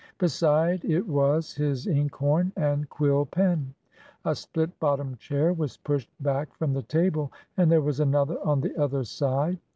Beside it was his ink horn and quill pen. A split bottomed chair was pushed back from the table, and there was another on the other side.